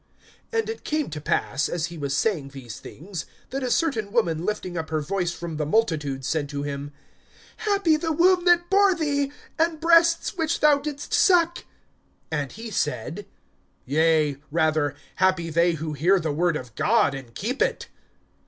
(27)And it came to pass, as he was saying these things, that a certain woman lifting up her voice from the multitude, said to him: Happy the womb that bore thee, and breasts which thou didst suck! (28)And he said: Yea, rather, Happy they who hear the word of God, and keep it!